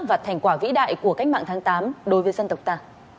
và thành quả vĩ đại của cách mạng tháng tám đối với dân tộc ta